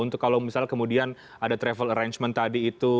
untuk kalau misalnya kemudian ada travel arrangement tadi itu